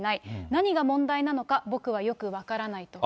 何が問題なのか僕はよく分からないと。